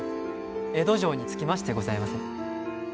江戸城に着きましてございます。